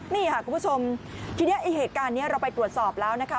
นี่ค่ะคุณผู้ชมทีนี้ไอ้เหตุการณ์นี้เราไปตรวจสอบแล้วนะคะ